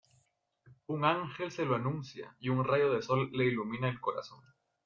Un ángel se lo anuncia y un rayo de sol le ilumina el corazón.